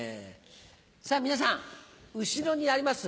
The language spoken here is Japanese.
さぁ皆さん後ろにあります